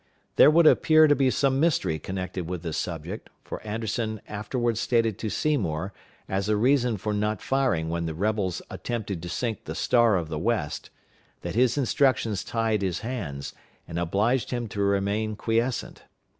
There would appear to be some mystery connected with this subject, for Anderson afterward stated to Seymour, as a reason for not firing when the rebels attempted to sink the Star of the West, that his instructions tied his hands, and obliged him to remain quiescent.